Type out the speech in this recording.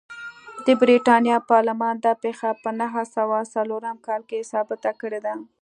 د برېټانیا پارلمان دا پېښه په نهه سوه څلورم کال کې ثبت کړې ده.